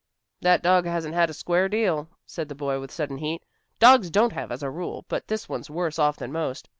"That dog hasn't had a square deal," said the boy with sudden heat. "Dogs don't have as a rule, but this one's worse off than most.